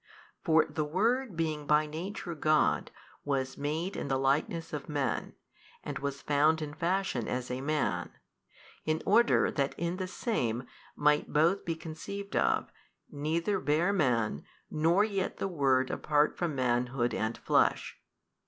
For the Word being by Nature God was made in the likeness of men and was found in fashion as a Man, in order that in the Same might Both be conceived of, neither bare man nor yet the Word apart from manhood and flesh.